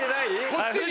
こっちに。